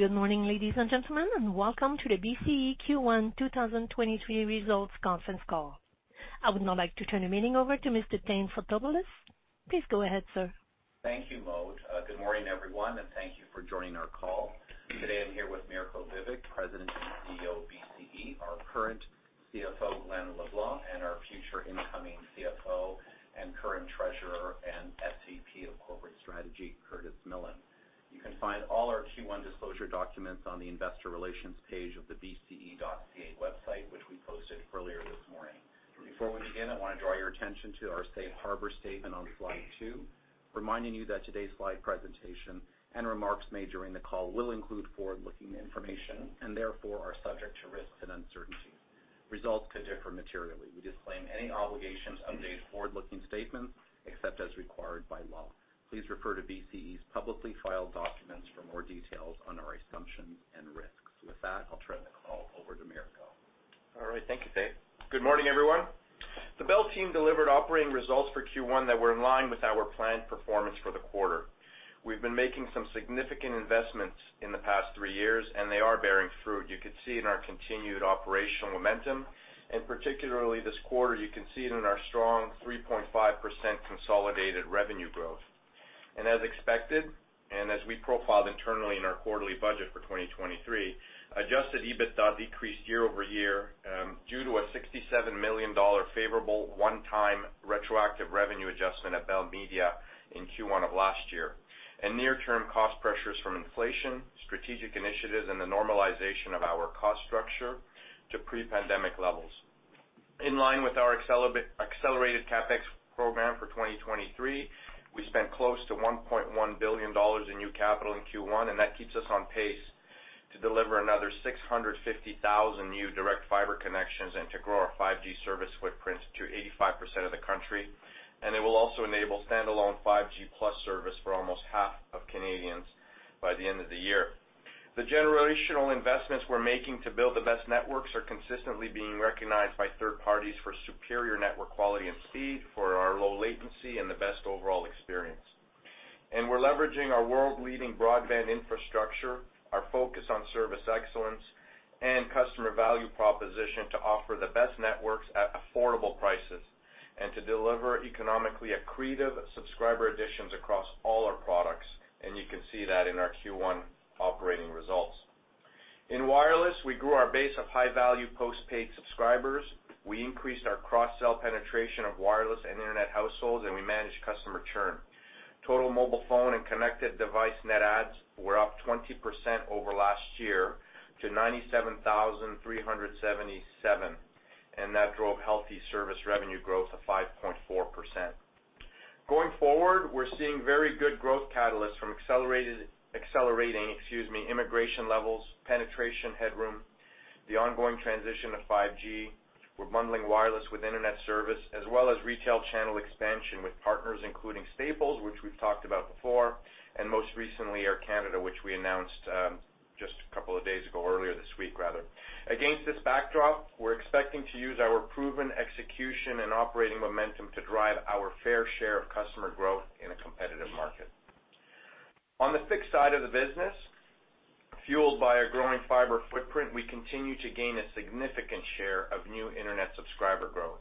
Good morning, ladies and gentlemen, welcome to the BCE first quarter 2023 results conference call. I would now like to turn the meeting over to Mr. Thane Fotopoulos. Please go ahead, sir. Thank you, Mode. Good morning, everyone, thank you for joining our call. Today, I'm here with Mirko Bibic, President and CEO of BCE, our current CFO, Glen LeBlanc, and our future incoming CFO and current Treasurer and SVP of Corporate Strategy, Curtis Millen. You can find all our first quarter disclosure documents on the investor relations page of the bce.ca website, which we posted earlier this morning. Before we begin, I wanna draw your attention to our safe harbor statement on slide two, reminding you that today's slide presentation and remarks made during the call will include forward-looking information and therefore are subject to risks and uncertainty. Results could differ materially. We disclaim any obligation to update forward-looking statements except as required by law. Please refer to BCE's publicly filed documents for more details on our assumptions and risks. With that, I'll turn the call over to Mirko. All right. Thank you, Thane. Good morning, everyone. The Bell team delivered operating results for first quarter that were in line with our planned performance for the quarter. We've been making some significant investments in the past three years, and they are bearing fruit. You could see in our continued operational momentum, and particularly this quarter, you can see it in our strong 3.5% consolidated revenue growth. As expected, and as we profiled internally in our quarterly budget for 2023, adjusted EBITDA decreased year-over-year due to a $67 million favorable onetime retroactive revenue adjustment at Bell Media in first quarter of last year, and near-term cost pressures from inflation, strategic initiatives, and the normalization of our cost structure to pre-pandemic levels. In line with our accelerated CapEx program for 2023, we spent close to $1.1 billion in new capital in first quarter. That keeps us on pace to deliver another 650,000 new direct fiber connections and to grow our 5G service footprints to 85% of the country. It will also enable standalone 5G+ service for almost half of Canadians by the end of the year. The generational investments we're making to build the best networks are consistently being recognized by third parties for superior network quality and speed, for our low latency and the best overall experience. We're leveraging our world-leading broadband infrastructure, our focus on service excellence and customer value proposition to offer the best networks at affordable prices, and to deliver economically accretive subscriber additions across all our products, and you can see that in our first quarter operating results. In wireless, we grew our base of high-value postpaid subscribers. We increased our cross-sell penetration of wireless and internet households, and we managed customer churn. Total mobile phone and connected device net adds were up 20% over last year to 97,377, and that drove healthy service revenue growth of 5.4%. Going forward, we're seeing very good growth catalysts from accelerating, excuse me, immigration levels, penetration headroom, the ongoing transition to 5G. We're bundling wireless with internet service as well as retail channel expansion with partners including Staples, which we've talked about before, and most recently, Air Canada, which we announced just a couple of days ago, earlier this week rather. Against this backdrop, we're expecting to use our proven execution and operating momentum to drive our fair share of customer growth in a competitive market. On the fixed side of the business, fueled by a growing fiber footprint, we continue to gain a significant share of new internet subscriber growth.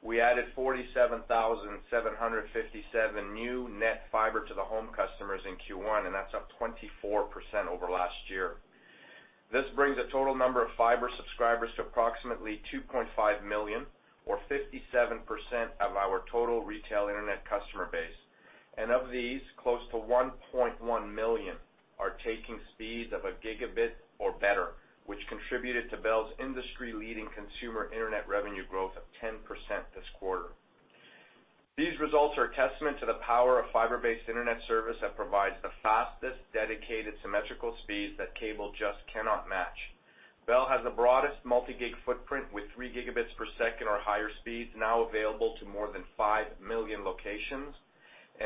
We added 47,757 new net fiber to the home customers in first quarter, that's up 24% over last year. This brings the total number of fiber subscribers to approximately 2.5 million or 57% of our total retail internet customer base. Of these, close to 1.1 million are taking speeds of a gigabit or better, which contributed to Bell's industry-leading consumer internet revenue growth of 10% this quarter. These results are a testament to the power of fiber-based internet service that provides the fastest dedicated symmetrical speeds that cable just cannot match. Bell has the broadest multi-gig footprint with 3GB per second or higher speeds now available to more than 5 million locations.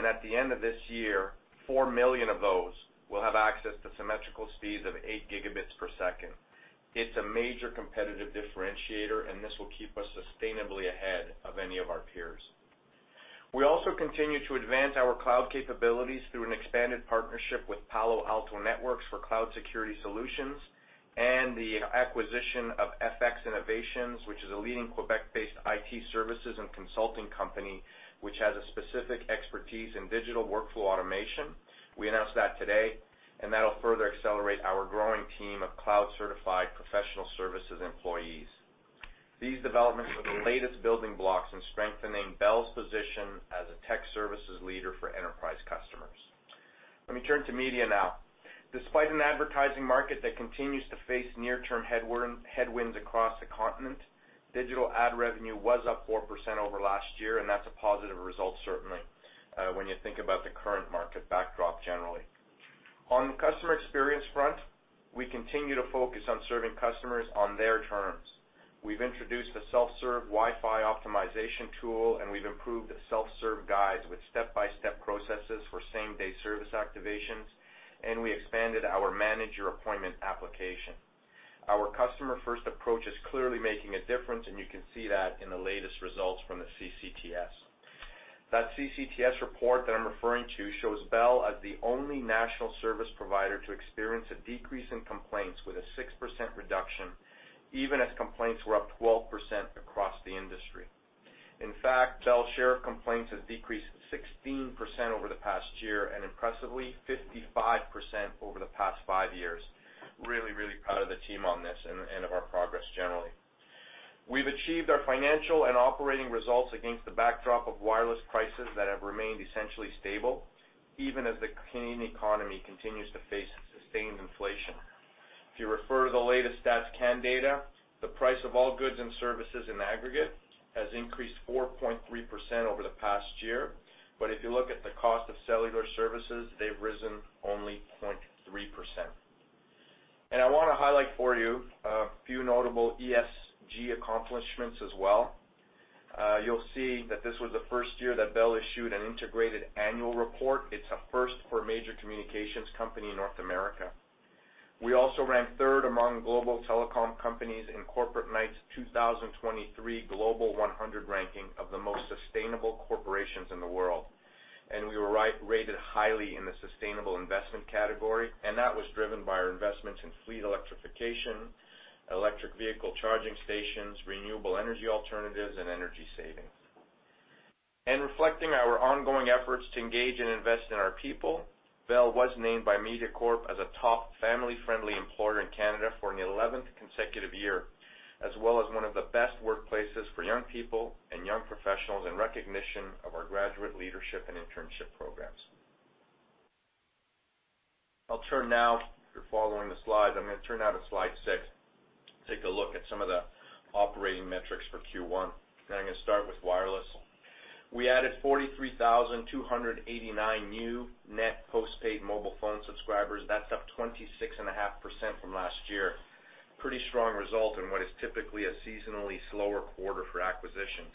At the end of this year, 4 million of those will have access to symmetrical speeds of 8GB per second. It's a major competitive differentiator, and this will keep us sustainably ahead of any of our peers. We also continue to advance our cloud capabilities through an expanded partnership with Palo Alto Networks for cloud security solutions and the acquisition of FX Innovation, which is a leading Quebec-based IT services and consulting company, which has a specific expertise in digital workflow automation. That'll further accelerate our growing team of cloud-certified professional services employees. These developments are the latest building blocks in strengthening Bell's position as a tech services leader for enterprise customers. Let me turn to media now. Despite an advertising market that continues to face near-term headwinds across the continent, digital ad revenue was up 4% over last year, that's a positive result, certainly, when you think about the current market backdrop generally. On the customer experience front, we continue to focus on serving customers on their terms. We've introduced a self-serve Wi-Fi optimization tool, and we've improved self-serve guides with step-by-step processes for same-day service activations, and we expanded our manage your appointment application. Our customer-first approach is clearly making a difference, and you can see that in the latest results from the CCTS. That CCTS report that I'm referring to shows Bell as the only national service provider to experience a decrease in complaints with a 6% reduction, even as complaints were up 12% across the industry. In fact, Bell's share of complaints has decreased 16% over the past year and impressively 55% over the past five years. Really proud of the team on this and of our progress generally. We've achieved our financial and operating results against the backdrop of wireless prices that have remained essentially stable, even as the Canadian economy continues to face sustained inflation. If you refer to the latest Stats Can data, the price of all goods and services in aggregate has increased 4.3% over the past year. If you look at the cost of cellular services, they've risen only 0.3%. I want to highlight for you a few notable ESG accomplishments as well. You'll see that this was the first year that Bell issued an integrated annual report. It's a first for a major communications company in North America. We also ranked third among global telecom companies in Corporate Knights 2023 Global 100 ranking of the most sustainable corporations in the world. We were rated highly in the sustainable investment category, and that was driven by our investments in fleet electrification, electric vehicle charging stations, renewable energy alternatives, and energy savings. Reflecting our ongoing efforts to engage and invest in our people, Bell was named by Mediacorp as a top family-friendly employer in Canada for an eleventh consecutive year, as well as one of the best workplaces for young people and young professionals in recognition of our graduate leadership and internship programs. I'll turn now, if you're following the slides, I'm gonna turn now to slide six. Take a look at some of the operating metrics for first quarter. I'm gonna start with wireless. We added 43,289 new net postpaid mobile phone subscribers. That's up 26.5% from last year. Pretty strong result in what is typically a seasonally slower quarter for acquisitions.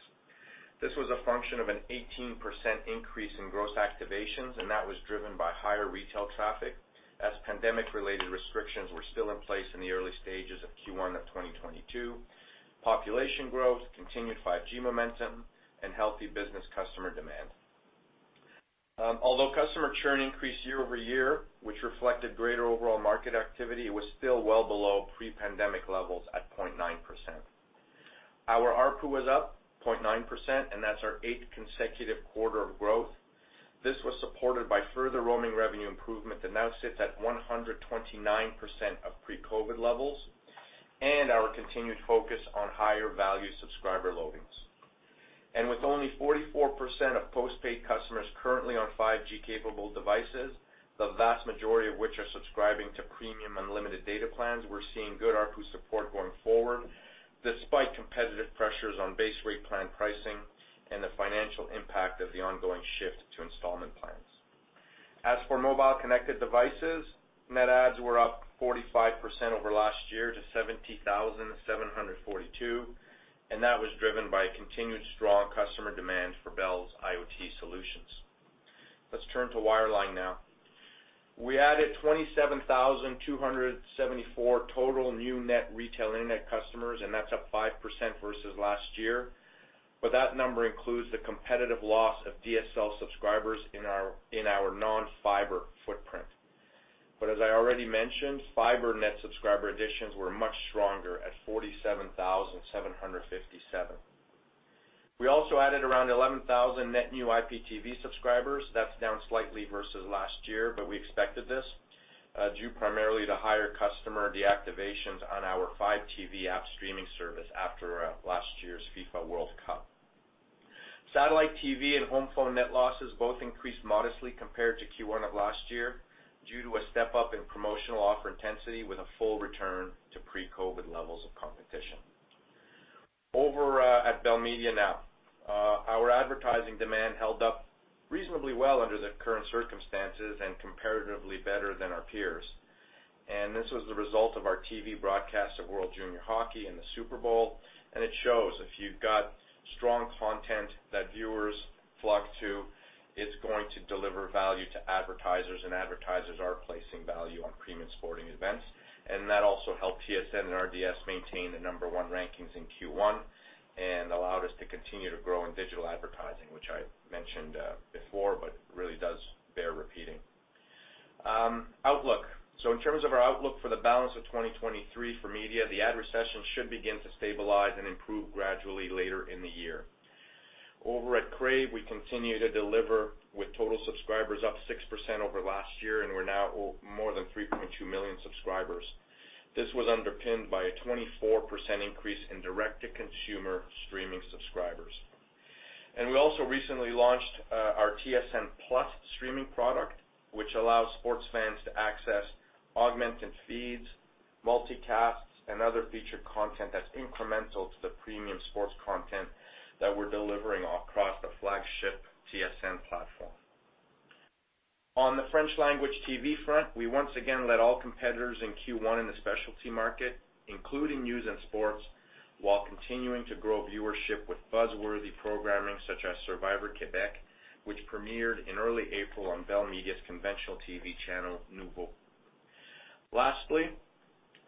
This was a function of an 18% increase in gross activations. That was driven by higher retail traffic as pandemic-related restrictions were still in place in the early stages of first quarter of 2022, population growth, continued 5G momentum, and healthy business customer demand. Although customer churn increased year-over-year, which reflected greater overall market activity, it was still well below pre-pandemic levels at 0.9%. Our ARPU was up 0.9%. That's our eighth consecutive quarter of growth. This was supported by further roaming revenue improvement that now sits at 129% of pre-COVID levels. Our continued focus on higher value subscriber loadings. With only 44% of postpaid customers currently on 5G capable devices, the vast majority of which are subscribing to premium unlimited data plans, we're seeing good ARPU support going forward despite competitive pressures on base rate plan pricing and the financial impact of the ongoing shift to installment plans. As for mobile connected devices, net adds were up 45% over last year to 70,742, and that was driven by continued strong customer demand for Bell's IoT solutions. Let's turn to wireline now. We added 27,274 total new net retail internet customers. That's up 5% versus last year. That number includes the competitive loss of DSL subscribers in our non-fiber footprint. As I already mentioned, fiber net subscriber additions were much stronger at 47,757. We also added around 11,000 net new IPTV subscribers. That's down slightly versus last year, we expected this due primarily to higher customer deactivations on our Fibe TV app streaming service after last year's FIFA World Cup. Satellite TV and home phone net losses both increased modestly compared to first quarter of last year due to a step-up in promotional offer intensity with a full return to pre-COVID levels of competition. Over at Bell Media now. Our advertising demand held up reasonably well under the current circumstances and comparatively better than our peers. This was the result of our TV broadcast of World Junior Hockey and the Super Bowl, and it shows if you've got strong content that viewers flock to, it's going to deliver value to advertisers, and advertisers are placing value on premium sporting events. That also helped TSN and RDS maintain the number one rankings in first quarter and allowed us to continue to grow in digital advertising, which I mentioned before, but really does bear repeating. Outlook. In terms of our outlook for the balance of 2023 for media, the ad recession should begin to stabilize and improve gradually later in the year. Over at Crave, we continue to deliver with total subscribers up 6% over last year, and we're now more than 3.2 million subscribers. This was underpinned by a 24% increase in direct-to-consumer streaming subscribers. We also recently launched our TSN+ streaming product, which allows sports fans to access augmented feeds, multicasts, and other featured content that's incremental to the premium sports content that we're delivering across the flagship TSN platform. On the French language TV front, we once again led all competitors in first quarter in the specialty market, including news and sports, while continuing to grow viewership with buzz-worthy programming such as Survivor Québec, which premiered in early April on Bell Media's conventional TV channel, Noovo.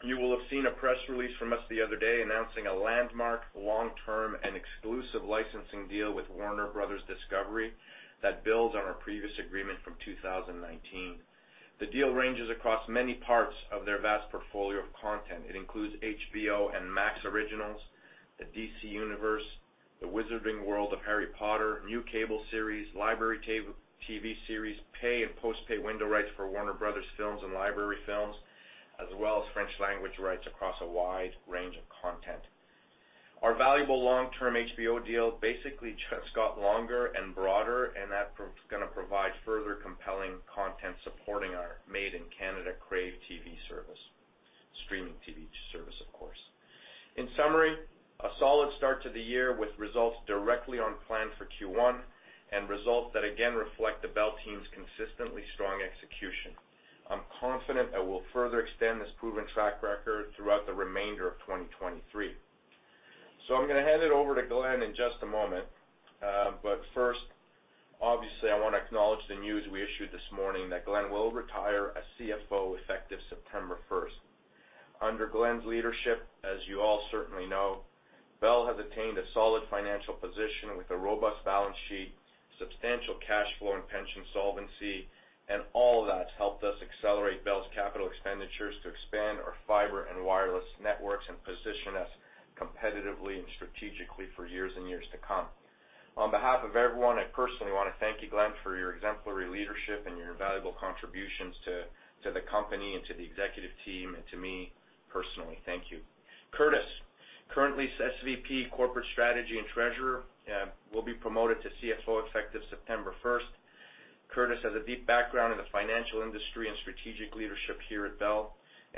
You will have seen a press release from us the other day announcing a landmark long-term and exclusive licensing deal with Warner Bros. Discovery that builds on our previous agreement from 2019. The deal ranges across many parts of their vast portfolio of content. It includes HBO and Max originals, the DC Universe, The Wizarding World of Harry Potter, new cable series, library TV series, pay and post-pay window rights for Warner Bros. films and library films, as well as French language rights across a wide range of content. Our valuable long-term HBO deal basically just got longer and broader, that is gonna provide further compelling content supporting our made in Canada Crave TV service, streaming TV service, of course. In summary, a solid start to the year with results directly on plan for first quarter, results that again reflect the Bell team's consistently strong execution. I'm confident that we'll further extend this proven track record throughout the remainder of 2023. I'm gonna hand it over to Glen in just a moment. First, obviously, I wanna acknowledge the news we issued this morning that Glen will retire as CFO effective September first. Under Glen's leadership, as you all certainly know, Bell has attained a solid financial position with a robust balance sheet, substantial cash flow and pension solvency, all of that's helped us accelerate Bell's capital expenditures to expand our fiber and wireless networks and position us competitively and strategically for years and years to come. On behalf of everyone, I personally wanna thank you, Glen, for your exemplary leadership and your invaluable contributions to the company and to the executive team and to me personally. Thank you. Curtis, currently SVP Corporate Strategy and Treasurer, will be promoted to CFO effective September first.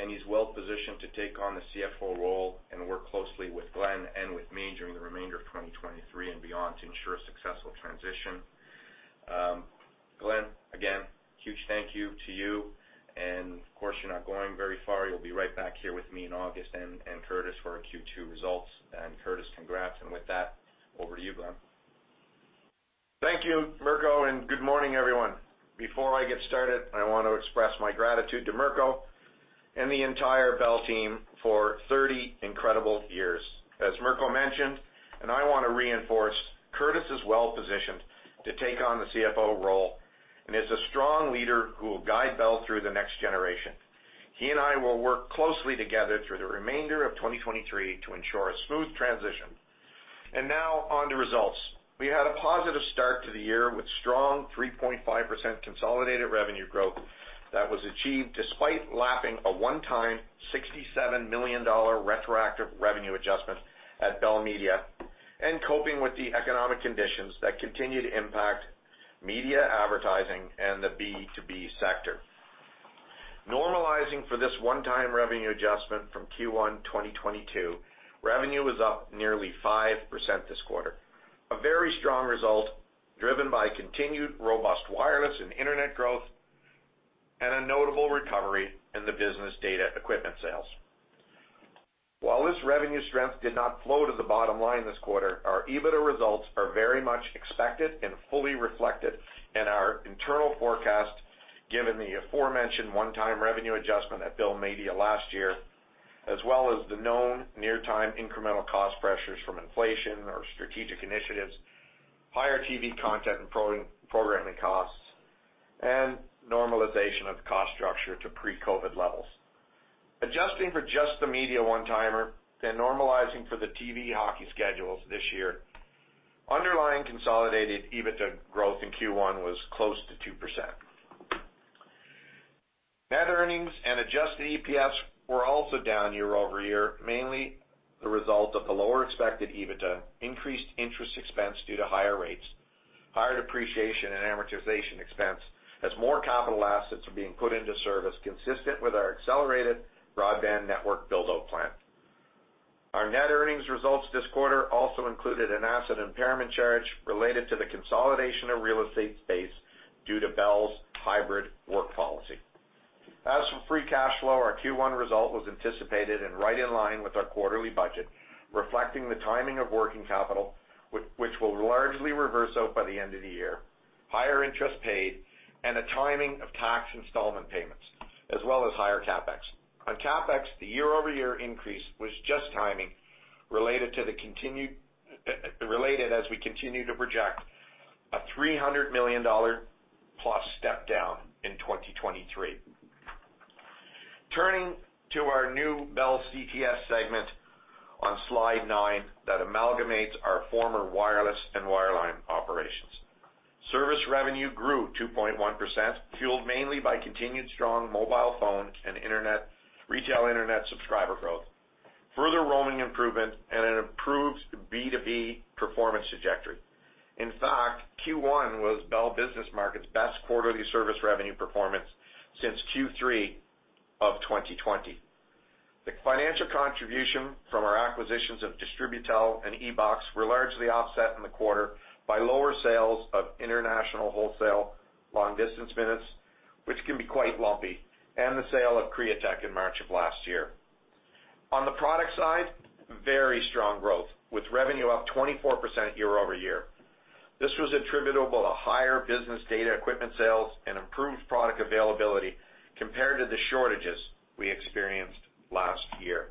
He's well-positioned to take on the CFO role and work closely with Glen and with me during the remainder of 2023 and beyond to ensure a successful transition. Glen, again, huge thank you to you. Of course, you're not going very far. You'll be right back here with me in August and Curtis for our second quarter results. Curtis, congrats. With that, over to you, Glen. Thank you, Mirko, good morning, everyone. Before I get started, I want to express my gratitude to Mirko and the entire Bell team for 30 incredible years. As Mirko mentioned, and I want to reinforce, Curtis is well-positioned to take on the CFO role and is a strong leader who will guide Bell through the next generation. He and I will work closely together through the remainder of 2023 to ensure a smooth transition. Now on to results. We had a positive start to the year with strong 3.5% consolidated revenue growth that was achieved despite lapping a one-time 67 million dollar retroactive revenue adjustment at Bell Media and coping with the economic conditions that continue to impact media advertising and the B2B sector. Normalizing for this one-time revenue adjustment from first quarter 2022, revenue was up nearly 5% this quarter, a very strong result driven by continued robust wireless and internet growth and a notable recovery in the business data equipment sales. While this revenue strength did not flow to the bottom line this quarter, our EBITDA results are very much expected and fully reflected in our internal forecast given the aforementioned one-time revenue adjustment at Bell Media last year, as well as the known near-time incremental cost pressures from inflation or strategic initiatives, higher TV content and programming costs, and normalization of cost structure to pre-COVID levels. Adjusting for just the media one-timer and normalizing for the TV hockey schedules this year, underlying consolidated EBITDA growth in first quarter was close to 2%. Net earnings and adjusted EPS were also down year-over-year, mainly the result of the lower expected EBITDA, increased interest expense due to higher rates, higher depreciation and amortization expense as more capital assets are being put into service consistent with our accelerated broadband network build-out plan. Our net earnings results this quarter also included an asset impairment charge related to the consolidation of real estate space due to Bell's hybrid work policy. As for free cash flow, our first quarter result was anticipated and right in line with our quarterly budget, reflecting the timing of working capital, which will largely reverse out by the end of the year, higher interest paid, and the timing of tax installment payments, as well as higher CapEx. On CapEx, the year-over-year increase was just timing related to the continued related as we continue to project a $300 million plus step down in 2023. Turning to our new Bell CTS segment on slide nine that amalgamates our former wireless and wireline operations. Service revenue grew 2.1%, fueled mainly by continued strong mobile phone and retail internet subscriber growth, further roaming improvement, and an improved B2B performance trajectory. In fact, first quarter was Bell Business Markets' best quarterly service revenue performance since third quarter of 2020. The financial contribution from our acquisitions of Distributel and EBOX were largely offset in the quarter by lower sales of international wholesale long-distance minutes, which can be quite lumpy, and the sale of Createch in March of last year. On the product side, very strong growth with revenue up 24% year-over-year. This was attributable to higher business data equipment sales and improved product availability compared to the shortages we experienced last year,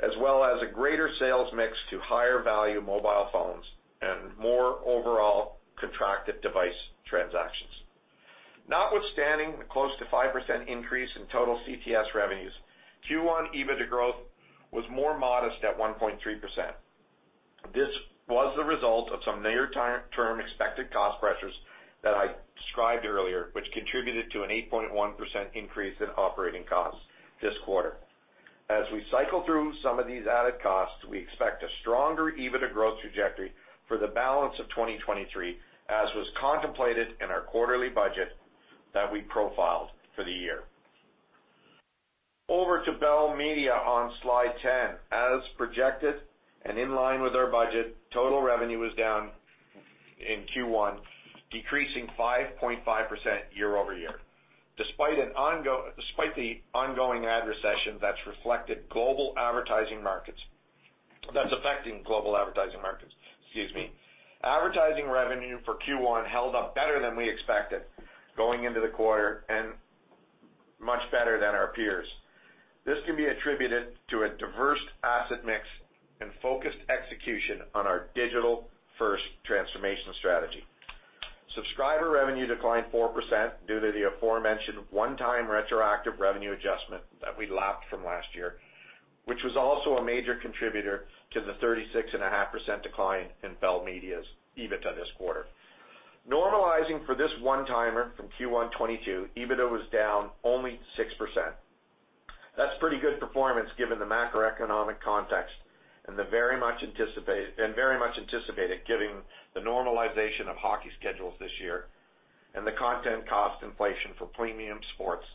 as well as a greater sales mix to higher value mobile phones and more overall contracted device transactions. Notwithstanding the close to 5% increase in total CTS revenues, first quarter EBITDA growth was more modest at 1.3%. This was the result of some near-term expected cost pressures that I described earlier, which contributed to an 8.1% increase in operating costs this quarter. As we cycle through some of these added costs, we expect a stronger EBITDA growth trajectory for the balance of 2023, as was contemplated in our quarterly budget that we profiled for the year. Over to Bell Media on slide 10. As projected and in line with our budget, total revenue was down in first quarter, decreasing 5.5% year-over-year. Despite the ongoing ad recession that's affecting global advertising markets, excuse me. Advertising revenue for first quarter held up better than we expected going into the quarter and much better than our peers. This can be attributed to a diverse asset mix and focused execution on our digital-first transformation strategy. Subscriber revenue declined 4% due to the aforementioned one-time retroactive revenue adjustment that we lapped from last year, which was also a major contributor to the 36.5% decline in Bell Media's EBITDA this quarter. Normalizing for this one-timer from first quarter 2022, EBITDA was down only 6%. That's pretty good performance given the macroeconomic context and the very much anticipated given the normalization of hockey schedules this year and the content cost inflation for premium sports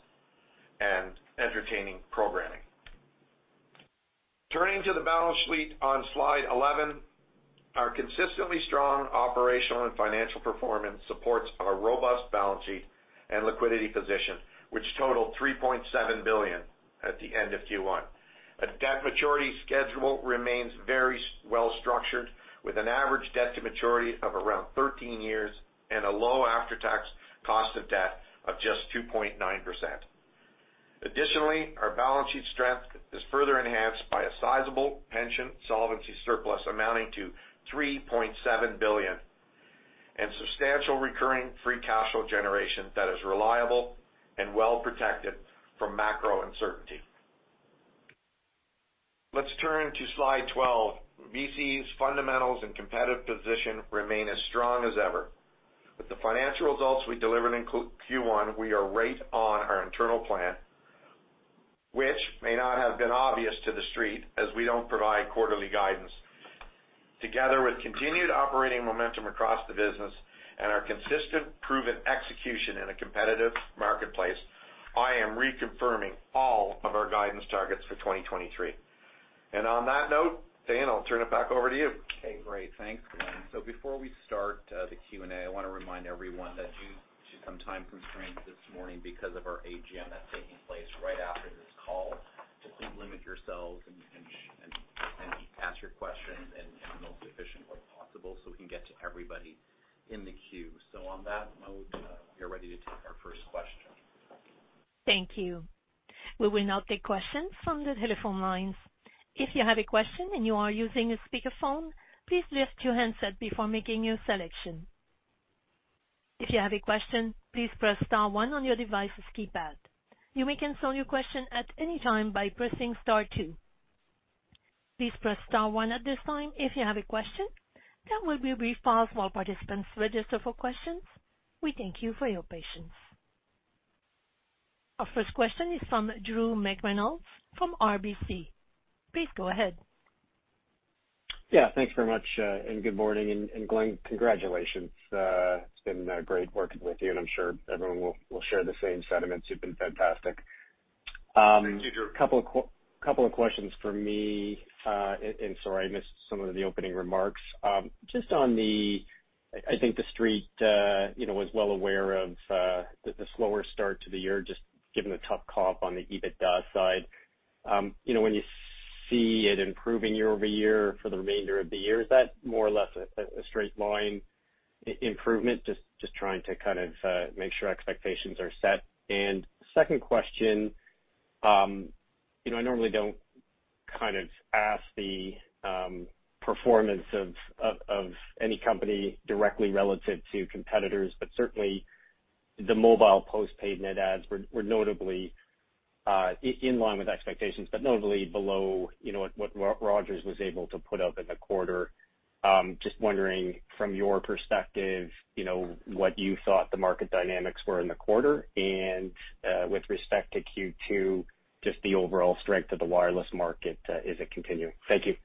and entertaining programming. Turning to the balance sheet on slide 11. Our consistently strong operational and financial performance supports our robust balance sheet and liquidity position, which totaled 3.7 billion at the end of first quarter. A debt maturity schedule remains very well structured, with an average debt to maturity of around 13 years and a low after-tax cost of debt of just 2.9%. Our balance sheet strength is further enhanced by a sizable pension solvency surplus amounting to 3.7 billion and substantial recurring free cash flow generation that is reliable and well protected from macro uncertainty. Let's turn to slide 12. BC's fundamentals and competitive position remain as strong as ever. With the financial results we delivered in first quarter, we are right on our internal plan, which may not have been obvious to The Street as we don't provide quarterly guidance. Together with continued operating momentum across the business and our consistent proven execution in a competitive marketplace, I am reconfirming all of our guidance targets for 2023. On that note, Glen LeBlanc, I'll turn it back over to you. Okay. Great. Thanks, Glen. Before we start the Q&A, I wanna remind everyone that due to some time constraints this morning because of our AGM that's taking place right after this call, to please limit yourselves and ask your questions in the most efficient way possible so we can get to everybody in the queue. On that note, we are ready to take our first question. Thank you. We will now take questions from the telephone lines. If you have a question and you are using a speakerphone, please lift your handset before making your selection. If you have a question, please press star one on your device's keypad. You may cancel your question at any time by pressing star two. Please press star one at this time if you have a question. There will be a brief pause while participants register for questions. We thank you for your patience. Our first question is from Drew McReynolds from RBC. Please go ahead. Yeah. Thanks very much, and good morning. Glen, congratulations. It's been great working with you, and I'm sure everyone will share the same sentiments. You've been fantastic. Thank you, Drew. Couple of questions from me, sorry, I missed some of the opening remarks. Just I think The Street, you know, was well aware of the slower start to the year just given the tough comp on the EBITDA side. You know, when you see it improving year-over-year for the remainder of the year, is that more or less a straight line improvement? Just trying to kind of make sure expectations are set. Second question, you know, I normally don't kind of ask the performance of any company directly relative to competitors, but certainly the mobile post-paid net adds were notably in line with expectations, but notably below, you know, what Rogers was able to put up in the quarter. Just wondering from your perspective, you know, what you thought the market dynamics were in the quarter and, with respect to second quarter, just the overall strength of the wireless market, as it continue? Thank you.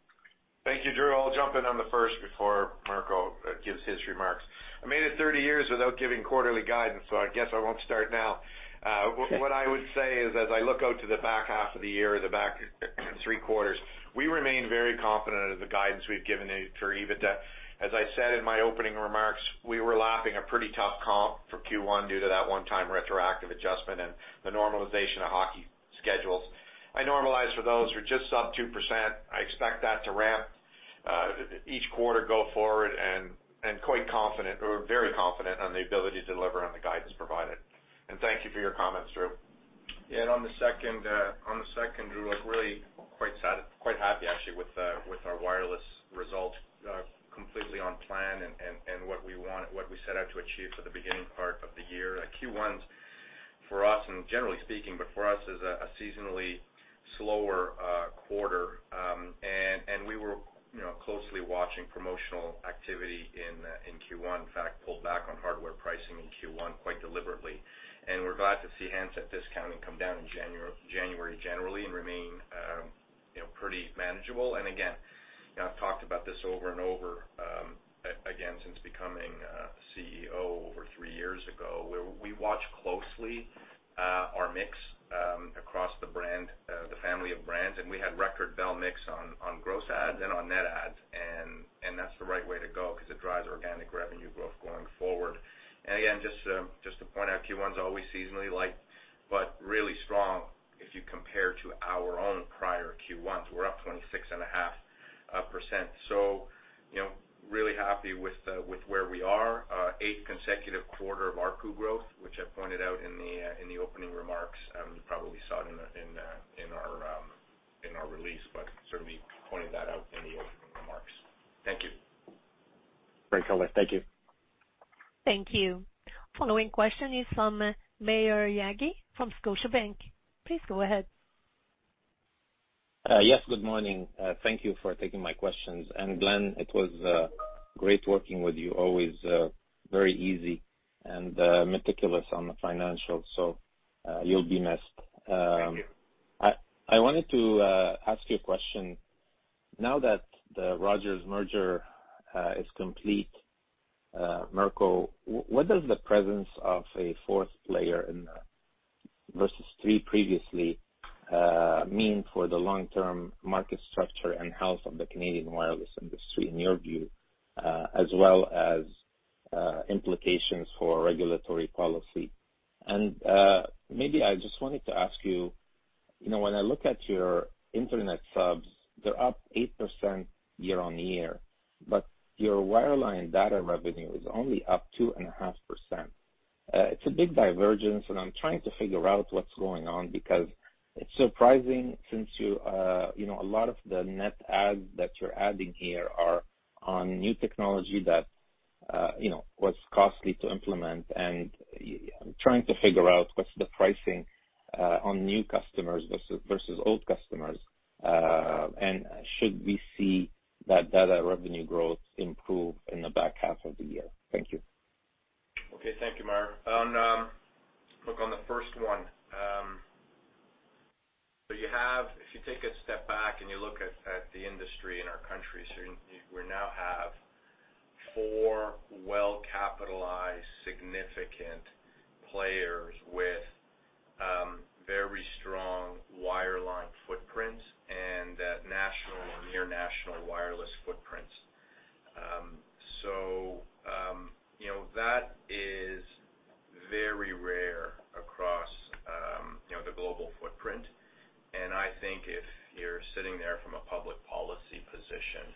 Thank you, Drew. I'll jump in on the first before Mirko gives his remarks. I made it 30 years without giving quarterly guidance. I guess I won't start now. What I would say is, as I look out to the back half of the year or the back three quarters, we remain very confident of the guidance we've given for EBITDA. As I said in my opening remarks, we were lapping a pretty tough comp for first quarter due to that one-time retroactive adjustment and the normalization of hockey schedules. I normalize for those, we're just sub 2%. I expect that to ramp each quarter go forward and quite confident or very confident on the ability to deliver on the guidance provided. Thank you for your comments, Drew. On the second, Drew, look really quite happy actually with our wireless results, completely on plan and what we set out to achieve for the beginning part of the year. first quarter's for us, and generally speaking, but for us is a seasonally slower quarter. We were, you know, closely watching promotional activity in first quarter. In fact, pulled back on hardware pricing in first quarter quite deliberately. We're glad to see handset discounting come down in January generally and remain, you know, pretty manageable. Again, you know, I've talked about this over and over, again since becoming CEO over three years ago, where we watch closely our mix across the brand, the family of brands. We had record Bell mix on gross adds and on net adds, and that's the right way to go 'cause it drives organic revenue growth going forward. Again, just to point out, first quarter's always seasonally light, but really strong if you compare to our own prior first quarters. We're up 26.5%. You know, really happy with where we are. Eighth consecutive quarter of ARPU growth, which I pointed out in the opening remarks. You probably saw it in our release, but certainly pointed that out in the opening remarks. Thank you. Great color. Thank you. Thank you. Following question is from Maher Yaghi from Scotiabank. Please go ahead. Yes, good morning. Thank you for taking my questions. Glen, it was great working with you. Always very easy and meticulous on the financials, so you'll be missed. Thank you. I wanted to ask you a question. Now that the Rogers merger is complete, Mirko, what does the presence of a fourth player in the versus three previously mean for the long-term market structure and health of the Canadian wireless industry in your view, as well as implications for regulatory policy? Maybe I just wanted to ask you know, when I look at your internet subs, they're up 8% year-over-year, but your wireline data revenue is only up 2.5%. It's a big divergence, and I'm trying to figure out what's going on because it's surprising since you know, a lot of the net adds that you're adding here are on new technology that, you know, was costly to implement. I'm trying to figure out what's the pricing on new customers versus old customers, should we see that data revenue growth improve in the back half of the year? Thank you. Okay. Thank you, Maher. On the first one, if you take a step back and you look at the industry in our country, we now have four well-capitalized significant players with very strong wireline footprints and that national or near national wireless footprints. You know, that is very rare across, you know, the global footprint. I think if you're sitting there from a public policy position,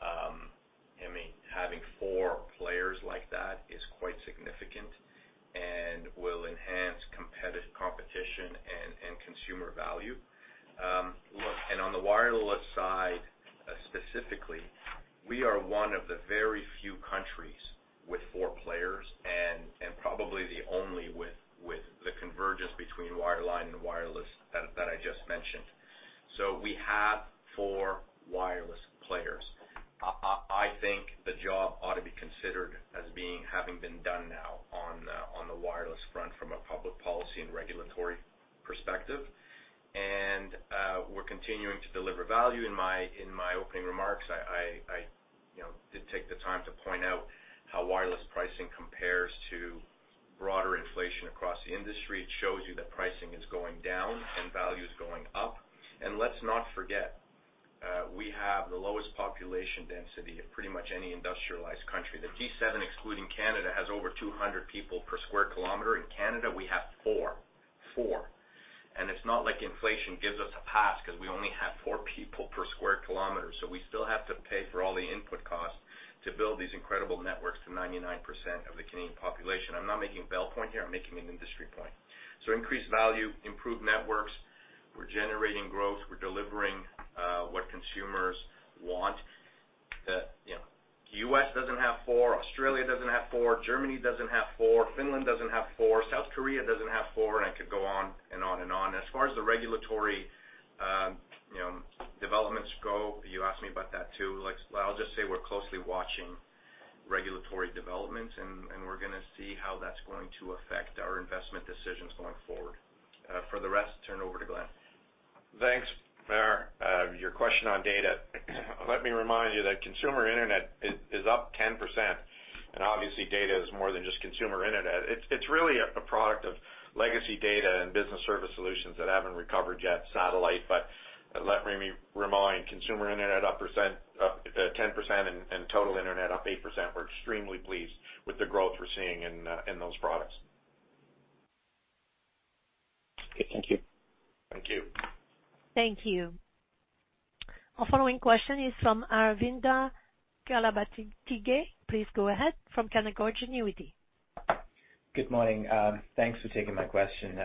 I mean, having four players like that is quite significant and will enhance competition and consumer value. On the wireless side specifically, we are one of the very few countries with four players and probably the only with the convergence between wireline and wireless that I just mentioned. We have four wireless players. I think the job ought to be considered as being having been done now on the wireless front from a public policy and regulatory perspective. We're continuing to deliver value. In my opening remarks, I, you know, did take the time to point out how wireless pricing compares to broader inflation across the industry. It shows you that pricing is going down and value is going up. Let's not forget, we have the lowest population density of pretty much any industrialized country. The G7, excluding Canada, has over 200 people per square kilometer. In Canada, we have four. It's not like inflation gives us a pass 'cause we only have four people per square kilometer, so we still have to pay for all the input costs to build these incredible networks to 99% of the Canadian population. I'm not making a Bell point here, I'm making an industry point. Increased value, improved networks. We're generating growth. We're delivering what consumers want. You know, the US doesn't have four, Australia doesn't have four, Germany doesn't have four, Finland doesn't have four, South Korea doesn't have four, and I could go on and on and on. As far as the regulatory, you know, developments go, you asked me about that too. Like, I'll just say we're closely watching regulatory developments, and we're gonna see how that's going to affect our investment decisions going forward. For the rest, turn over to Glen. Thanks, Maher. Your question on data. Let me remind you that consumer internet is up 10%. obviously data is more than just consumer internet. It's really a product of legacy data and business service solutions that haven't recovered yet, satellite. Let me remind, consumer internet up 10% and total internet up 8%. We're extremely pleased with the growth we're seeing in those products. Okay, thank you. Thank you. Thank you. Our following question is from Aravinda Galappatthige. Please go ahead from Canaccord Genuity. Good morning. Thanks for taking my question.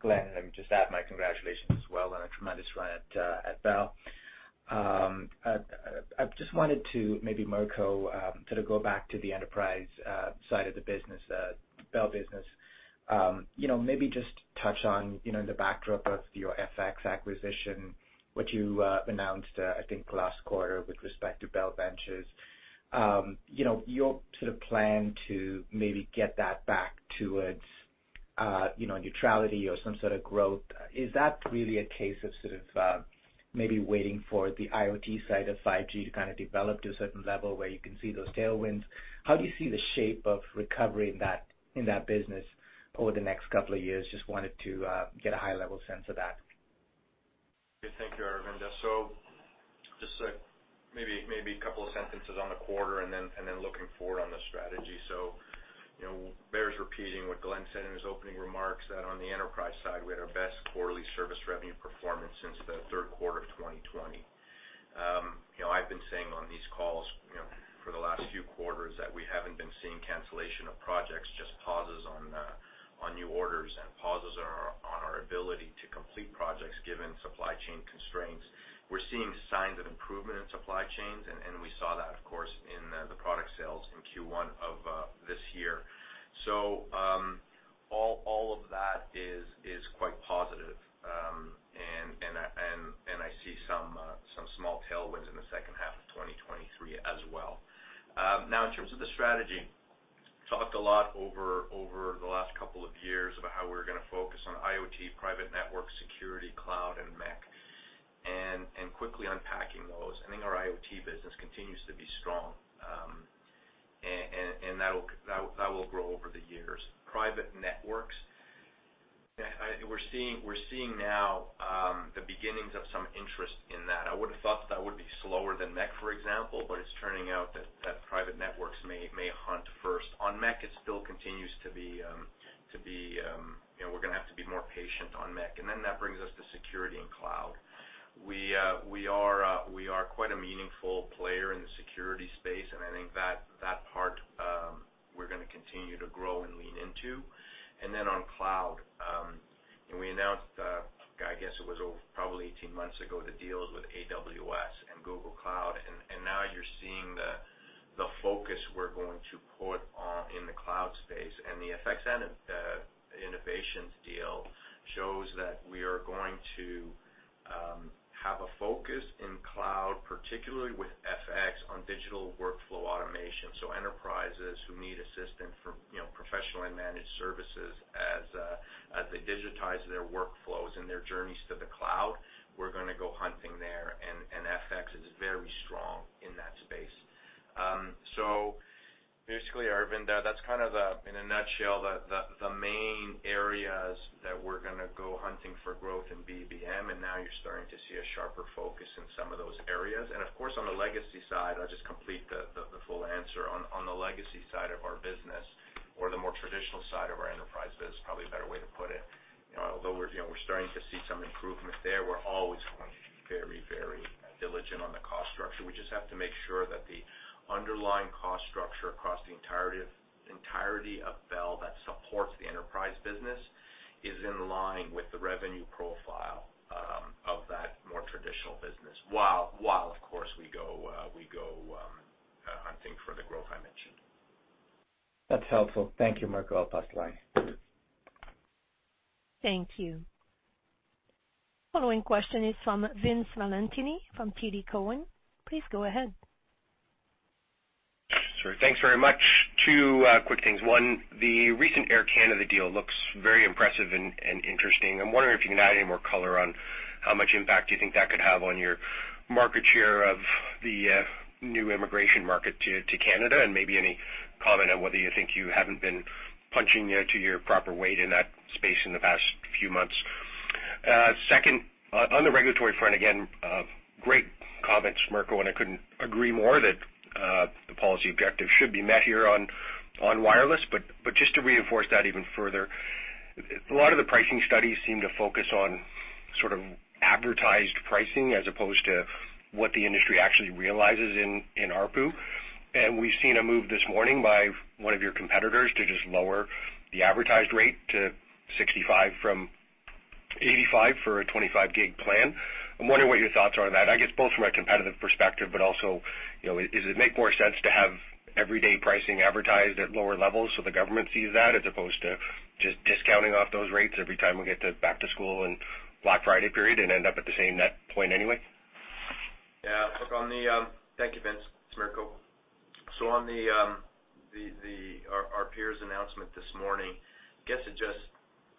Glen, let me just add my congratulations as well on a tremendous run at Bell. I just wanted to maybe, Mirko Bibic, sort of go back to the enterprise side of the business, Bell business. You know, maybe just touch on, you know, the backdrop of your FX acquisition, which you announced, I think last quarter with respect to Bell Business Markets. You know, your sort of plan to maybe get that back towards neutrality or some sort of growth. Is that really a case of sort of, maybe waiting for the IoT side of 5G to kind of develop to a certain level where you can see those tailwinds? How do you see the shape of recovery in that, in that business over the next couple of years? Just wanted to get a high-level sense of that. Yeah. Thank you, Aravinda Galappatthige. Just maybe a couple of sentences on the quarter and then, and then looking forward on the strategy. You know, bears repeating what Glen LeBlanc said in his opening remarks, that on the enterprise side, we had our best quarterly service revenue performance since the third quarter of 2020. You know, I've been saying on these calls, you know, for the last few quarters that we haven't been seeing cancellation of projects, just pauses on new orders and pauses on our, on our ability to complete projects given supply chain constraints. We're seeing signs of improvement in supply chains, and we saw that, of course, in the product sales in first quarter of this year. All of that is quite positive. I see some small tailwinds in the second half of 2023 as well. Now in terms of the strategy, talked a lot over the last couple of years about how we're gonna focus on IoT, private network security, cloud, and MEC. Quickly unpacking those, I think our IoT business continues to be strong. That'll, that will grow over the years. Private networks. We're seeing now the beginnings of some interest in that. I would've thought that would be slower than MEC, for example, but it's turning out that private networks may hunt first. On MEC, it still continues to be. You know, we're gonna have to be more patient on MEC. That brings us to security and cloud. We are quite a meaningful player in the security space, and I think that part, we're gonna continue to grow and lean into. On cloud, we announced, I guess it was over probably 18 months ago, the deals with AWS and Google Cloud. Now you're seeing the focus we're going to put on in the cloud space. The FX Innovation deal shows that we are going to have a focus in cloud, particularly with FX on digital workflow automation. So, enterprises who need assistance for, you know, professionally managed services as they digitize their workflows and their journeys to the cloud, we're gonna go hunting there. FX is very strong in that space. Basically, Aravinda, that's kind of the, in a nutshell, the main areas that we're gonna go hunting for growth in BBM. Now you're starting to see a sharper focus in some of those areas. Of course, on the legacy side, I'll just complete the full answer. On the legacy side of our business or the more traditional side of our enterprise business, probably a better way to put it, you know, although we're, you know, we're starting to see some improvement there, we're always going to be very, very diligent on the cost structure. We just have to make sure that the underlying cost structure across the entirety of Bell that supports the enterprise business is in line with the revenue profile of that more traditional business, while of course we go hunting for the growth I mentioned. That's helpful. Thank you, Mirko. I'll pass the line. Thank you. Following question is from Vince Valentini, from TD Cowen. Please go ahead. Sure. Thanks very much. Two quick things. One, the recent Air Canada deal looks very impressive and interesting. I'm wondering if you can add any more color on how much impact do you think that could have on your market share of the new immigration market to Canada, and maybe any comment on whether you think you haven't been punching, you know, to your proper weight in that space in the past few months. Second, on the regulatory front, again, great comments, Mirko, and I couldn't agree more that the policy objective should be met here on wireless. Just to reinforce that even further, a lot of the pricing studies seem to focus on sort of advertised pricing as opposed to what the industry actually realizes in ARPU. We've seen a move this morning by one of your competitors to just lower the advertised rate to 65 from 85 for a 25 GB plan. I'm wondering what your thoughts are on that, I guess both from a competitive perspective, but also, you know, does it make more sense to have everyday pricing advertised at lower levels so the government sees that as opposed to just discounting off those rates every time we get to back to school and Black Friday period and end up at the same net point anyway? Yeah. Look, on the. Thank you, Vince. It's Mirco. On the our peers' announcement this morning, I guess it just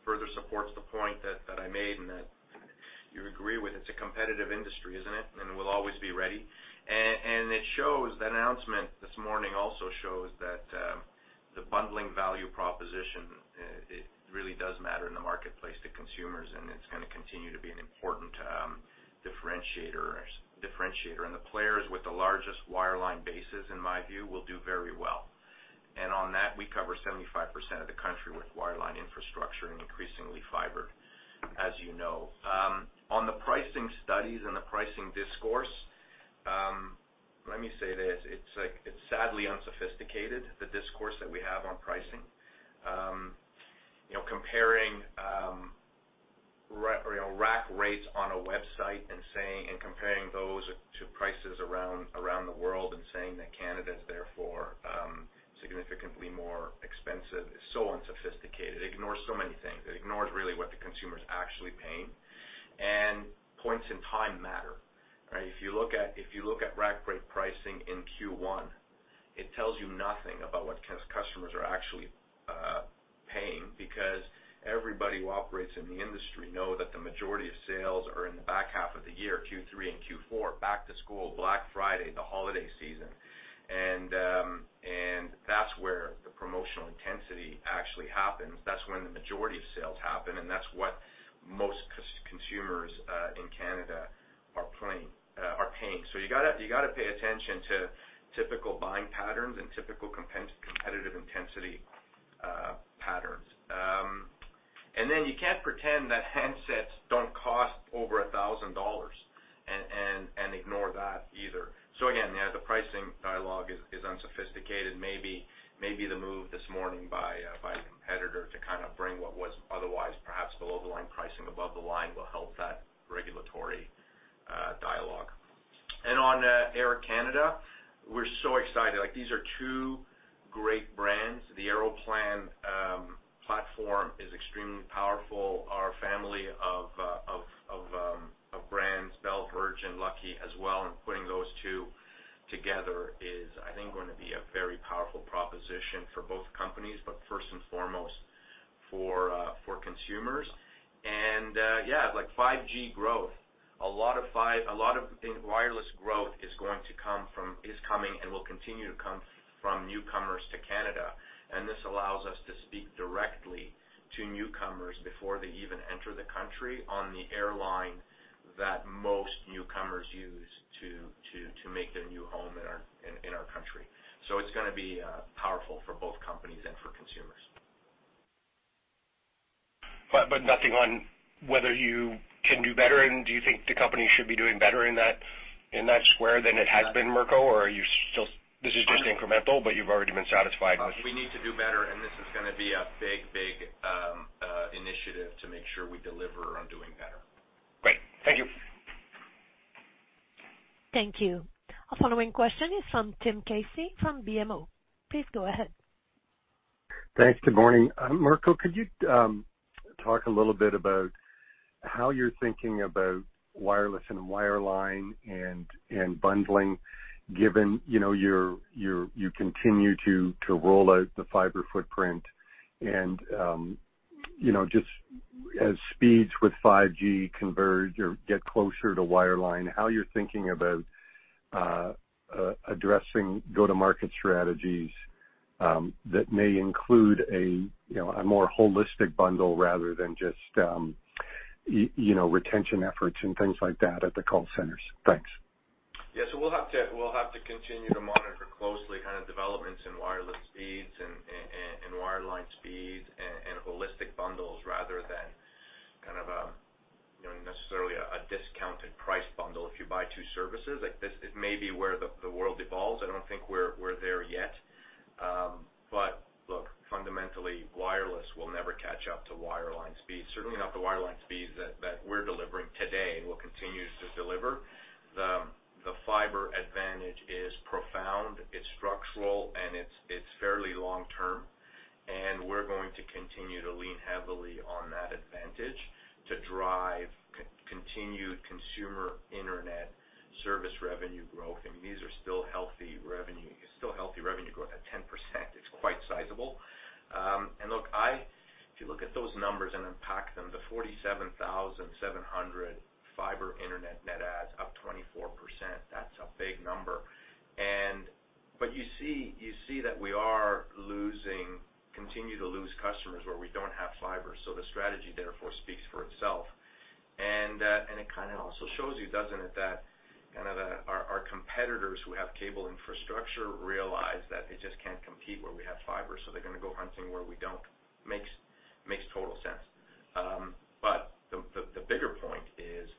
further supports the point that I made and that you agree with. It's a competitive industry, isn't it? We'll always be ready. It shows, that announcement this morning also shows that the bundling value proposition it really does matter in the marketplace to consumers, and it's gonna continue to be an important differentiator. The players with the largest wireline bases, in my view, will do very well. On that, we cover 75% of the country with wireline infrastructure and increasingly fiber. As you know. On the pricing studies and the pricing discourse, let me say this, it's like, it's sadly unsophisticated, the discourse that we have on pricing. You know, comparing, you know, rack rates on a website and saying and comparing those to prices around the world and saying that Canada is therefore significantly more expensive is so unsophisticated. It ignores so many things. It ignores really what the consumer is actually paying. Points in time matter, right? If you look at, if you look at rack rate pricing in first quarter, it tells you nothing about what customers are actually paying because everybody who operates in the industry know that the majority of sales are in the back half of the year, third quarter and fourth quarter, back to school, Black Friday, the holiday season. That's where the promotional intensity actually happens. That's when the majority of sales happen, and that's what most consumers in Canada are playing, are paying. You gotta pay attention to typical buying patterns and typical competitive intensity patterns. Then you can't pretend that handsets don't cost over 1,000 dollars and ignore that either. Again, yeah, the pricing dialogue is unsophisticated. Maybe, maybe the move this morning by the competitor to kind of bring what was otherwise perhaps below the line pricing above the line will help that regulatory dialogue. On Air Canada, we're so excited. Like, these are two great brands. The Aeroplan platform is extremely powerful. Our family of brands, Bell, Virgin, Lucky as well, and putting those two together is, I think, going to be a very powerful proposition for both companies, but first and foremost for consumers. Yeah, like 5G growth, a lot of wireless growth is going to come from, is coming and will continue to come from newcomers to Canada. This allows us to speak directly to newcomers before they even enter the country on the airline that most newcomers use to make their new home in our country. It's gonna be powerful for both companies and for consumers. Nothing on whether you can do better, and do you think the company should be doing better in that, in that square than it has been, Mirko? Or are you still. This is just incremental, but you've already been satisfied with. We need to do better, and this is gonna be a big initiative to make sure we deliver on doing better. Great. Thank you. Thank you. Our following question is from Tim Casey from BMO. Please go ahead. Thanks. Good morning. Mirko, could you talk a little bit about how you're thinking about wireless and wireline and bundling given, you know, you continue to roll out the fiber footprint and, you know, just as speeds with 5G converge or get closer to wireline, how you're thinking about addressing go-to-market strategies that may include a, you know, a more holistic bundle rather than just, you know, retention efforts and things like that at the call centers? Thanks. We'll have to continue to monitor closely kind of developments in wireless speeds and wireline speeds and holistic bundles rather than kind of a, you know, necessarily a discounted price bundle if you buy two services. Like this, it may be where the world evolves. I don't think we're there yet. Look, fundamentally, wireless will never catch up to wireline speeds, certainly not the wireline speeds that we're delivering today and will continue to deliver. The fiber advantage is profound, it's structural, and it's fairly long term. We're going to continue to lean heavily on that advantage to drive continued consumer internet service revenue growth. I mean, these are still healthy revenue growth at 10%. It's quite sizable. Look, if you look at those numbers and unpack them, the 47,700 fiber internet net adds, up 24%, that's a big number. You see that we are losing, continue to lose customers where we don't have fiber. The strategy therefore speaks for itself. It kind of also shows you, doesn't it, that kind of our competitors who have cable infrastructure realize that they just can't compete where we have fiber, so they're gonna go hunting where we don't. Makes total sense. The bigger point is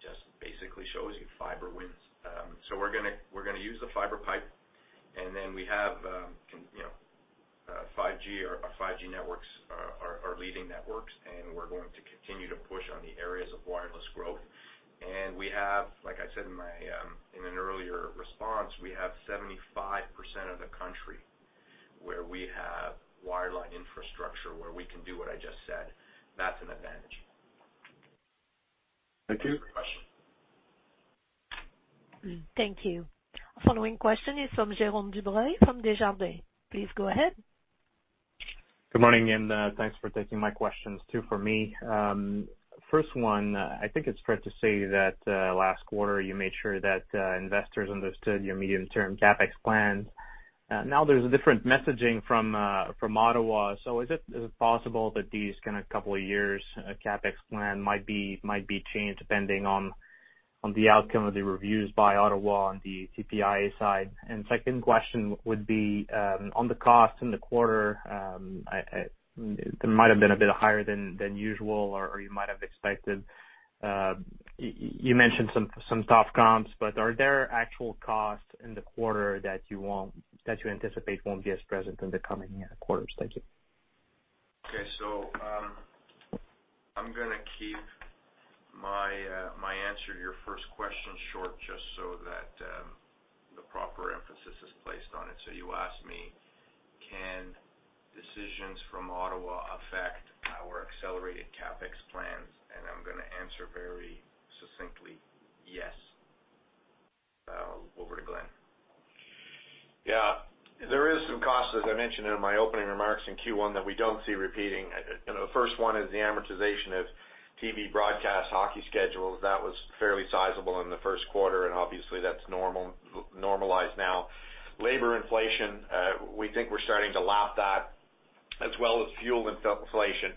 just basically shows you fiber wins. We're gonna use the fiber pipe, and then we have, you know, 5G or our 5G networks are leading networks, and we're going to continue to push on the areas of wireless growth. We have, like I said in my, in an earlier response, we have 75% of the country where we have wireline infrastructure where we can do what I just said. That's an advantage. Thank you. Great question. Thank you. Our following question is from Jérome Dubreuil from Desjardins. Please go ahead. Good morning. Thanks for taking my questions too for me. First one, I think it's fair to say that last quarter, you made sure that investors understood your medium-term CapEx plans. Now there's a different messaging from Ottawa. Is it possible that these kind of couple of years CapEx plan might be changed depending on the outcome of the reviews by Ottawa on the TPIA side? Second question would be, on the cost in the quarter, it might have been a bit higher than usual or you might have expected. You mentioned some tough comps, but are there actual costs in the quarter that you anticipate won't be as present in the coming quarters? Thank you. Okay. I'm gonna keep my answer to your first question short, just so that, the proper emphasis is placed on it. You asked me, can decisions from Ottawa affect our accelerated CapEx plans? I'm gonna answer very succinctly, yes. Over to Glen. Yeah. There is some costs, as I mentioned in my opening remarks in first quarter, that we don't see repeating. You know, the first one is the amortization of TV broadcast hockey schedules. That was fairly sizable in the first quarter, obviously that's normalized now. Labor inflation, we think we're starting to lap that as well as fuel inflation.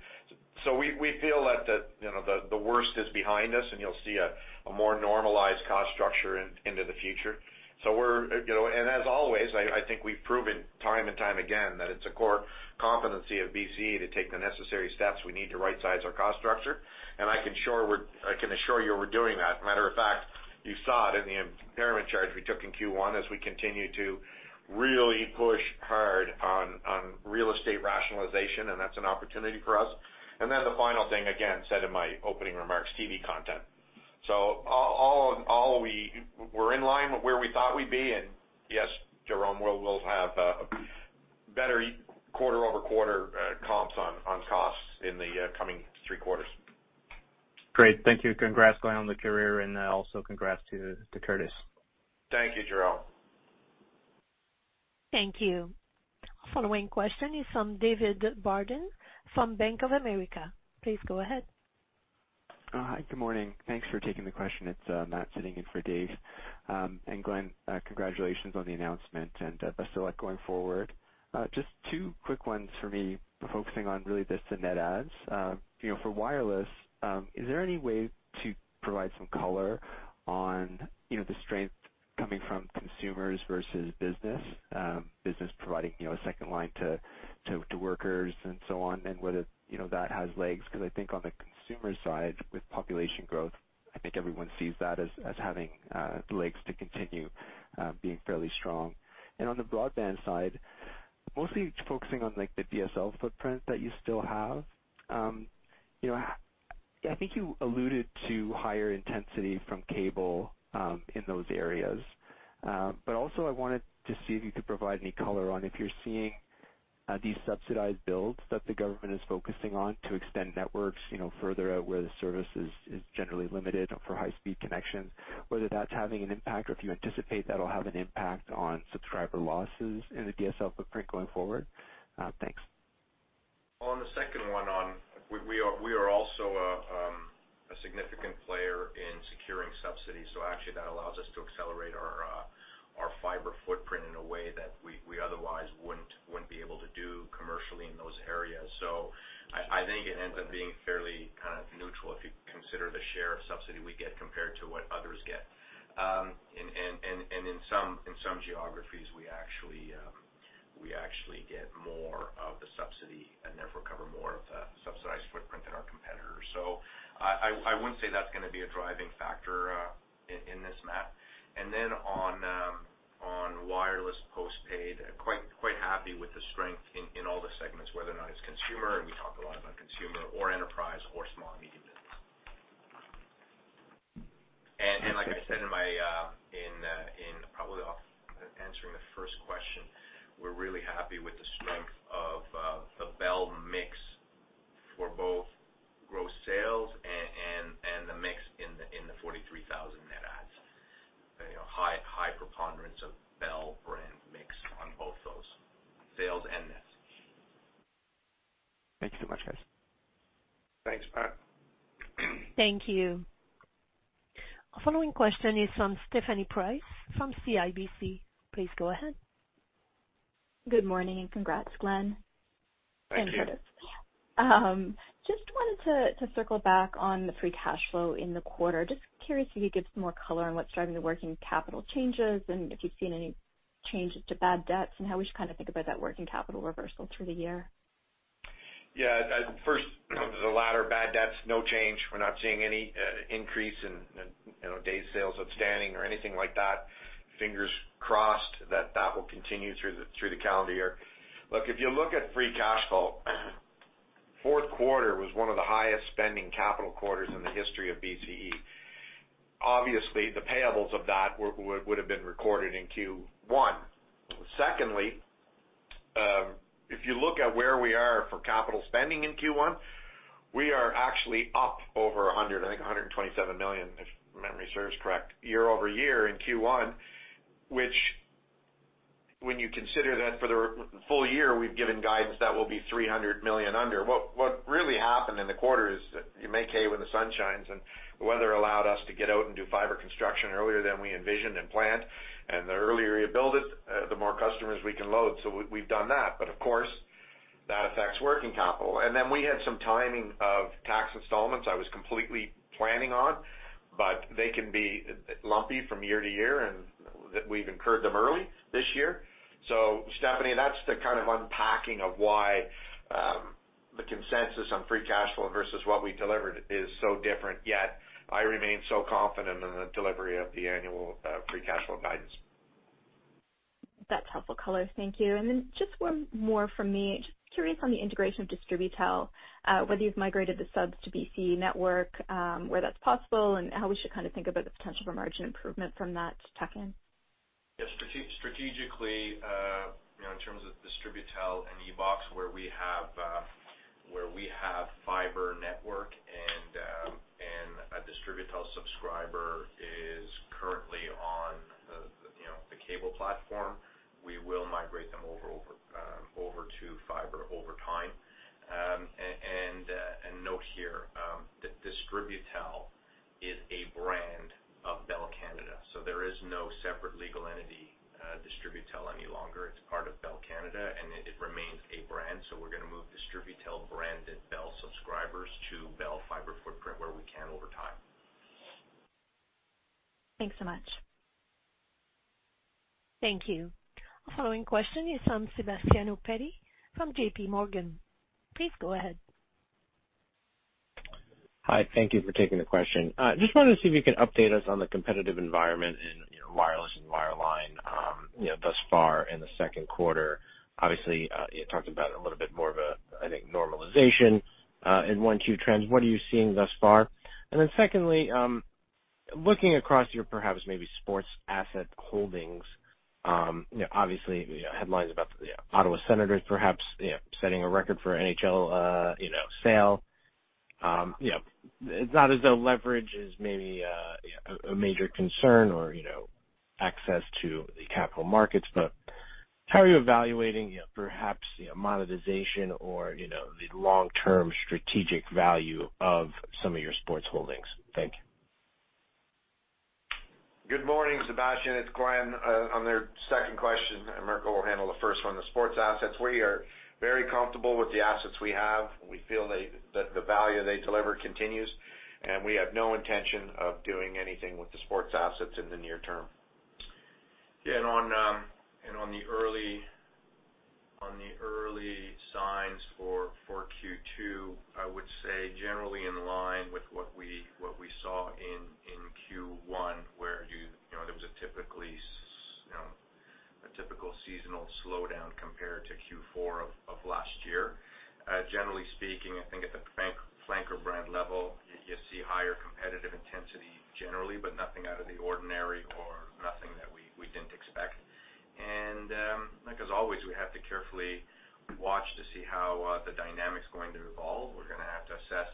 We feel that the, you know, the worst is behind us. You'll see a more normalized cost structure in, into the future. We're, you know, as always I think we've proven time and time again that it's a core competency of BCE to take the necessary steps we need to rightsize our cost structure. I can assure you we're doing that. Matter of fact, you saw it in the impairment charge we took in first quarter as we continue to really push hard on real estate rationalization, and that's an opportunity for us. The final thing, again, said in my opening remarks, TV content. All in all we're in line with where we thought we'd be. Yes, Jérome, we'll have better quarter-over-quarter comps on costs in the coming three quarters. Great. Thank you. Congrats, Glen, on the career, and also congrats to Curtis. Thank you, Jérome. Thank you. Following question is from David Barden from Bank of America. Please go ahead. Hi, good morning. Thanks for taking the question. It's Matt sitting in for Dave. Glen, congratulations on the announcement and best of luck going forward. Just two quick ones for me focusing on really just the net adds. You know, for wireless, is there any way to provide some color on, you know, the strength coming from consumers versus business? Business providing, you know, a second line to workers and so on, and whether, you know, that has legs? 'Cause I think on the consumer side, with population growth, I think everyone sees that as having the legs to continue being fairly strong. On the broadband side, mostly focusing on, like, the DSL footprint that you still have, you know, I think you alluded to higher intensity from cable in those areas. Also I wanted to see if you could provide any color on if you're seeing these subsidized builds that the government is focusing on to extend networks, you know, further out where the service is generally limited for high-speed connections, whether that's having an impact or if you anticipate that'll have an impact on subscriber losses in the DSL footprint going forward? Thanks. On the second one, we are also a significant player in securing subsidies. Actually that allows us to accelerate our fiber footprint in a way that we otherwise wouldn't be able to do commercially in those areas. I think it ends up being fairly kind of neutral if you consider the share of subsidy we get compared to what others get. And in some geographies we actually get more of the subsidy and therefore cover more of the subsidized footprint than our competitors. I wouldn't say that's gonna be a driving factor in this, Matt. On wireless postpaid, quite happy with the strength in all the segments, whether or not it's consumer, and we talk a lot about consumer or enterprise or small and medium business. Like I said in probably answering the first question, we're really happy with the strength of the Bell mix for both gross sales and the mix in the 43,000 net adds. You know, high preponderance of Bell brand mix on both those sales and nets. Thank you so much, guys. Thanks, Matt. Thank you. Following question is from Stephanie Price from CIBC. Please go ahead. Good morning congrats, Glen. Thank you. Curtis. Just wanted to circle back on the free cash flow in the quarter. Just curious if you could give some more color on what's driving the working capital changes and if you've seen any changes to bad debts and how we should kind of think about that working capital reversal through the year. First, the latter bad debts, no change. We're not seeing any increase in, you know, day sales outstanding or anything like that. Fingers crossed that that will continue through the calendar year. If you look at free cash flow, fourth quarter was one of the highest spending capital quarters in the history of BCE. Obviously, the payables of that would've been recorded in first quarter. Secondly, if you look at where we are for capital spending in first quarter, we are actually up over 100 million, I think 127 million, if memory serves correct year-over-year in first quarter, which when you consider that for the full year, we've given guidance that will be 300 million under. What really happened in the quarter is you make hay when the sun shines, and the weather allowed us to get out and do fiber construction earlier than we envisioned and planned. The earlier you build it, the more customers we can load. We've done that. Of course, that affects working capital. Then we had some timing of tax installments I was completely planning on, but they can be lumpy from year to year and that we've incurred them early this year. Stephanie, that's the kind of unpacking of why the consensus on free cash flow versus what we delivered is so different, yet I remain so confident in the delivery of the annual free cash flow guidance. That's helpful color. Thank you. Just one more from me. Just curious on the integration of Distributel, whether you've migrated the subs to Bell network, where that's possible, and how we should kind of think about the potential for margin improvement from that tuck-in. Yeah. Strategically, you know, in terms of Distributel and Ebox, where we have fiber network and a Distributel subscriber is currently on the, you know, the cable platform, we will migrate them over to fiber over time. And note here, that Distributel is a brand of Bell Canada. There is no separate legal entity, Distributel any longer. It's part of Bell Canada, and it remains a brand. We're gonna move Distributel-branded Bell subscribers to Bell fiber footprint where we can over time. Thanks so much. Thank you. Our following question is from Sebastiano Petti from JPMorgan. Please go ahead. Hi. Thank you for taking the question. Just wanted to see if you could update us on the competitive environment in, you know, wireless and wireline, you know, thus far in the second quarter. Obviously, you talked about a little bit more of a, I think, normalization in one, two trends. What are you seeing thus far? Secondly, looking across your perhaps maybe sports asset holdings, you know, obviously, you know, headlines about the Ottawa Senators perhaps, you know, setting a record for NHL sale. You know, it's not as though leverage is maybe a major concern or, you know, access to the capital markets, but how are you evaluating perhaps, you know, monetization or, you know, the long-term strategic value of some of your sports holdings? Thank you. Good morning, Sebastiano. It's Glen. On the second question, Mirko will handle the first one. The sports assets, we are very comfortable with the assets we have. We feel that the value they deliver continues. We have no intention of doing anything with the sports assets in the near term. Yeah. On the early signs for second quarter, I would say generally in line with what we saw in first quarter, where you know, there was a typically you know, a typical seasonal slowdown compared to fourth quarter of last year. Generally speaking, I think at the flanker brand level, you see higher competitive intensity generally, but nothing out of the ordinary or nothing that we didn't expect. Like as always, we have to carefully watch to see how the dynamic's going to evolve. We're gonna have to assess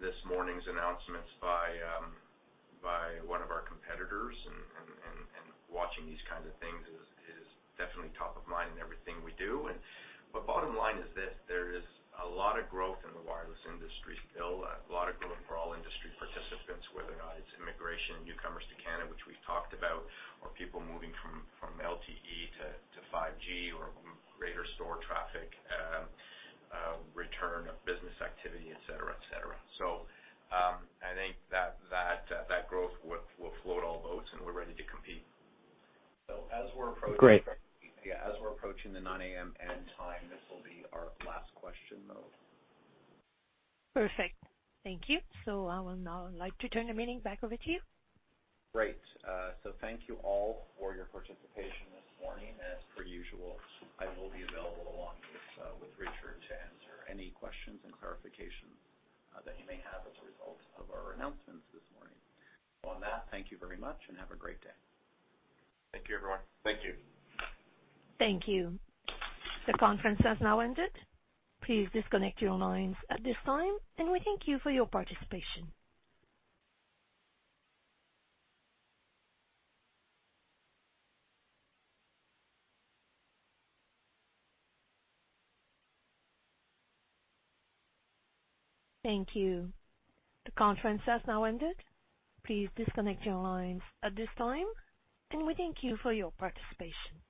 this morning's announcements by one of our competitors and watching these kinds of things is definitely top of mind in everything we do. bottom line is this: There is a lot of growth in the wireless industry still, a lot of growth for all industry participants, whether or not it's immigration, newcomers to Canada, which we've talked about, or people moving from LTE to 5G or greater store traffic, return of business activity, et cetera, et cetera. I think that growth will float all boats, and we're ready to compete. Great. As we're approaching. Yeah, as we're approaching the 9:00AM end time, this will be our last question though. Perfect. Thank you. I would now like to turn the meeting back over to you. Great. Thank you all for your participation this morning. As per usual, I will be available along with Richard to answer any questions and clarification that you may have as a result of our announcements this morning. On that, thank you very much and have a great day. Thank you, everyone. Thank you. Thank you. The conference has now ended. Please disconnect your lines at this time, and we thank you for your participation. Thank you. The conference has now ended. Please disconnect your lines at this time, and we thank you for your participation.